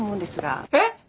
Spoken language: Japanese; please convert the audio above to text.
えっ？